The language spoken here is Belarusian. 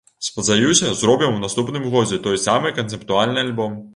Спадзяюся, зробім у наступным годзе той самы канцэптуальны альбом.